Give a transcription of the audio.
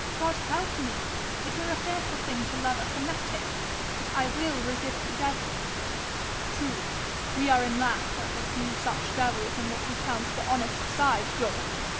God help me! it were a fearful thing to love a fanatic! But I will resist the devil.' 'Truly we are in lack of a few such devils on what we count the honest side, Dorothy!'